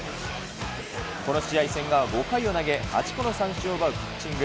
この試合、千賀は５回を投げ、８個の三振を奪うピッチング。